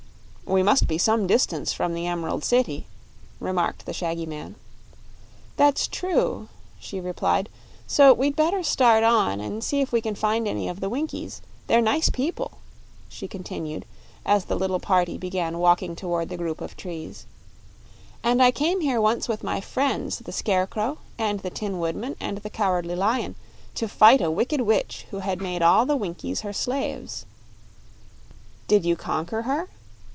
"We must be some distance from the Emerald City," remarked the shaggy man. "That's true," she replied; "so we'd better start on and see if we can find any of the Winkies. They're nice people," she continued, as the little party began walking toward the group of trees, "and I came here once with my friends the Scarecrow, and the Tin Woodman, and the Cowardly Lion, to fight a wicked witch who had made all the Winkies her slaves." "Did you conquer her?"